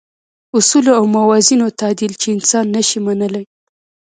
اصولو او موازینو تعدیل چې انسان نه شي منلای.